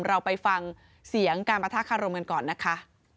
เราไปฟังเสียงการประทะคารมกันก่อนนะคะ